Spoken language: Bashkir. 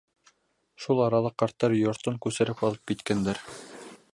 Шул арала ҡарттар йортон күсереп алып киткәндәр!